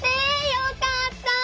よかった！